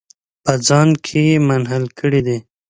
په ځان کې یې منحل کړي دي.